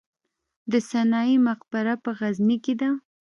د سنايي مقبره په غزني کې ده